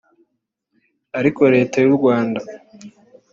ariko Leta y’u Rwanda